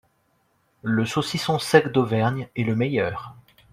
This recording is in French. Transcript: Le saucisson sec d'Auvergne est le meilleur